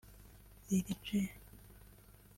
Lil-G